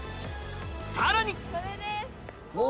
さらに！